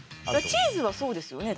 チーズはそうですよね？